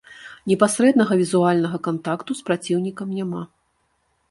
Непасрэднага візуальнага кантакту з праціўнікам няма.